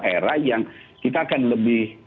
era yang kita akan lebih